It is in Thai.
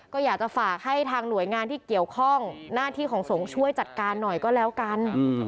ก็อยากจะฝากให้ทางหน่วยงานที่เกี่ยวข้องหน้าที่ของสงฆ์ช่วยจัดการหน่อยก็แล้วกัน